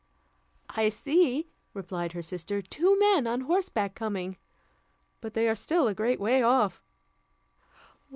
"I see," replied her sister, "two men on horseback coming; but they are still a great way off."